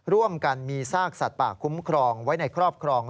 ร่วมกันมีซากสัตว์ป่าคุ้มครองไว้ในครอบครอง